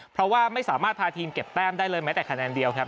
เพราะว่าไม่สามารถพาทีมเก็บแต้มได้เลยแม้แต่คะแนนเดียวครับ